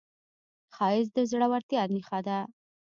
ښایست د زړورتیا نښه ده